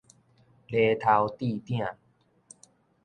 犁頭戴鼎